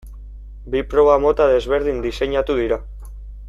Bi proba mota desberdin diseinatu dira.